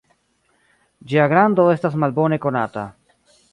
Ĝia grando estas malbone konata.